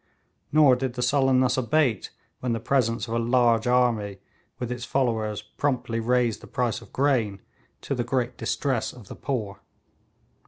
Nor did the sullenness abate when the presence of a large army with its followers promptly raised the price of grain, to the great distress of the poor.